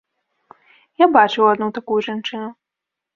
Я бачыў адну такую жанчыну.